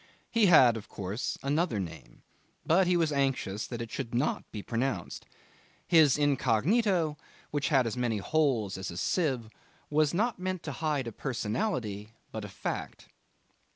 He had, of course, another name, but he was anxious that it should not be pronounced. His incognito, which had as many holes as a sieve, was not meant to hide a personality but a fact.